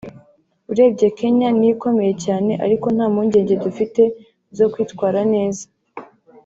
urebye Kenya niyo ikomeye cyane ariko nta mpungenge dufite zo kwitwara neza